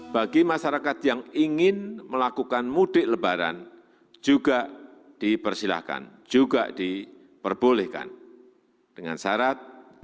bagi masyarakat yang ingin melakukan mudik lebaran juga dipersilahkan juga diperbolehkan dengan syarat